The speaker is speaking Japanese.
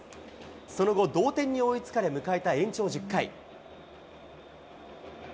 その後、同点に追いつかれ迎えた延長１０回。